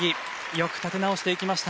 よく立て直していきました。